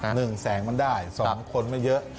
หนึ่งแสงมันได้สองคนไม่เยอะ